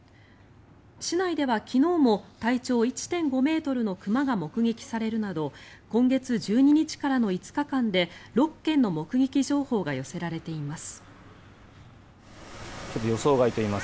市内では昨日も体長１．５ｍの熊が目撃されるなど今月１２日からの５日間で６件の目撃情報が寄せられています。